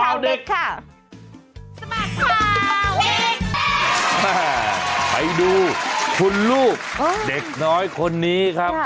สบัดข่าวเด็กสุภาษณ์ไปดูคุณลูกเด็กน้อยคนนี้ครับ